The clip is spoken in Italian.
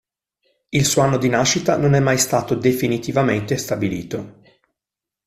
Il suo anno di nascita non è mai stato definitivamente stabilito.